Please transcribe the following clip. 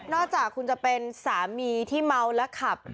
น่าจากคุณจะเป็นสามีเมาต์และขับ